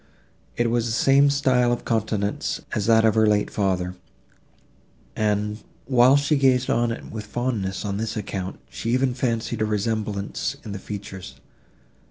It was the same style of countenance as that of her late father, and, while she gazed on it with fondness on this account, she even fancied a resemblance in the features.